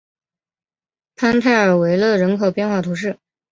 潘泰尔维勒人口变化图示